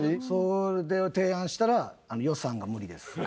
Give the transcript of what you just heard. それを提案したら「予算が無理です」。